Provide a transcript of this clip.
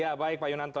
ya baik pak yunanto